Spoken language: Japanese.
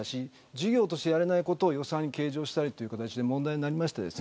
事業としてやれないことを予算計上したりという形で問題になりました。